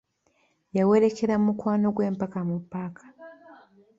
Yawerekera mukwano gwe mpaka mu paaka.